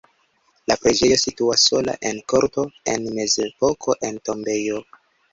La preĝejo situas sola en korto (en la mezepoko en tombejo).